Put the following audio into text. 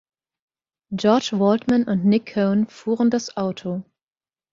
George Waltman und Nick Cone fuhren das Auto.